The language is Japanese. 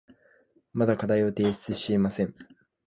まだ課題を提出していません。